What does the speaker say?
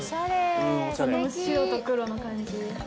この白と黒の感じ？